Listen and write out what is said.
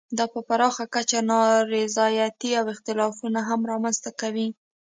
دا په پراخه کچه نا رضایتۍ او اختلافونه هم رامنځته کوي.